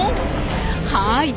はい！